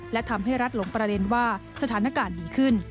และทำให้รัฐหลงประเด็นว่าสถานการณ์ดีขึ้น